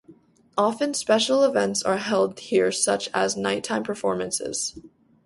Often special events are held here such as nighttime performances.